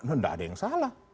tidak ada yang salah